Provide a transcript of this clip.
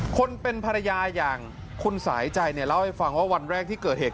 คนเป็นภรรยาอย่างคุณสายใจเนี่ยเล่าให้ฟังว่าวันแรกที่เกิดเหตุ